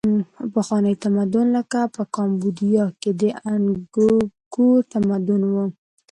پخواني تمدنونه لکه په کامبودیا کې د انګکور تمدن و.